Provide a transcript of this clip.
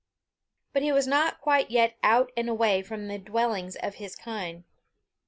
But he was not yet quite out and away from the dwellings of his kind.